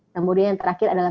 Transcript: kemudian yang terakhir adalah